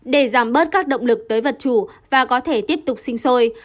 để giảm bớt các động lực tới vật chủ và có thể tiếp tục sinh sôi